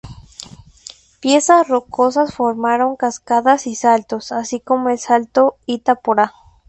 Piezas rocosas formaron cascadas y saltos, así como el Salto Itá porá.